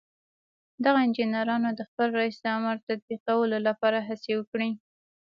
دغو انجنيرانو د خپل رئيس د امر تطبيقولو لپاره هڅې وکړې.